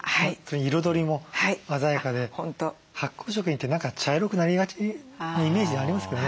彩りも鮮やかで発酵食品って何か茶色くなりがちなイメージがありますけどね。